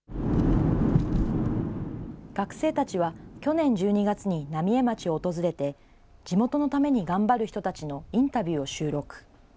学生たちは去年１２月に浪江町を訪れて、地元のために頑張る人たちのインタビューを収録。